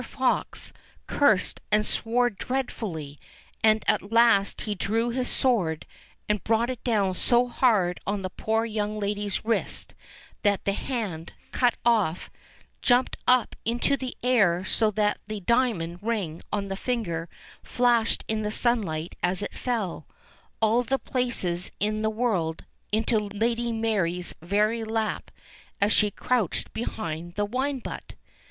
FOX 235 cursed and swore dreadfully ; and at last he drew his sword and brought it down so hard on the poor young lady's wrist that the hand, cut off, jumped up into the air so that the diamond ring on the finger flashed in the sunlight as it fell, of all places in the world, into Lady Mary's very lap as she crouched be hind the wine butt